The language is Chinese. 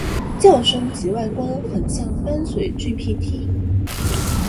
叫声及外观很像斑嘴巨䴙䴘。